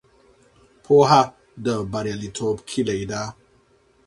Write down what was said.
پوهه د بریالیتوب کیلي ده.